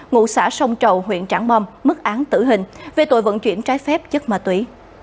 ngụ xã sông trầu huyện trảng bom mức án tử hình về tội vận chuyển trái phép chất ma túy